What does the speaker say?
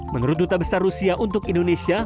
menurut duta besar rusia untuk indonesia